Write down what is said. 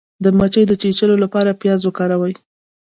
د مچۍ د چیچلو لپاره پیاز وکاروئ